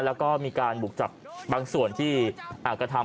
แล้วก็มีการบุกจับบางส่วนที่กระทำ